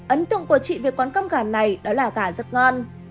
ấn tượng của chị về quán cơm gà này đó là gà rất ngon